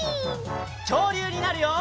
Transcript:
きょうりゅうになるよ！